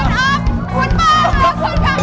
เอาแล้วเอาแล้ว